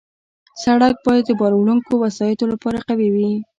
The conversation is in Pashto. سړک باید د بار وړونکو وسایطو لپاره قوي وي.